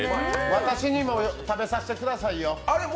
私にも食べさせてくださいよ！